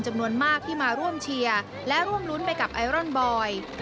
จำนวนมากที่มาร่วมเชียร์และร่วมรุ้นไปกับไอรอนบอย